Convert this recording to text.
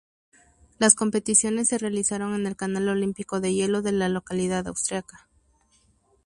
Las competiciones se realizaron en el Canal Olímpico de Hielo de la localidad austríaca.